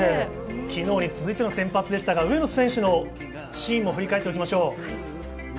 昨日に続いての先発でしたが、上野選手のシーンを振り返りましょう。